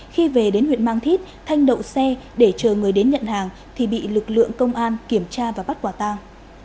khi về đến huyện mang thít thanh đậu xe để chờ người đến nhận hàng thì bị lực lượng công an kiểm tra và bắt quả tang